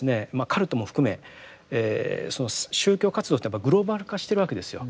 カルトも含めその宗教活動というのはグローバル化してるわけですよ。